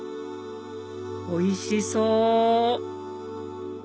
おいしそう！